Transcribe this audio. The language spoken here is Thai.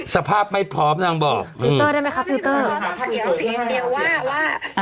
สภาพไม่พร้อมนางบอกอืมได้ไหมคะฟิลเตอร์เอาเสียงเดียวว่าว่า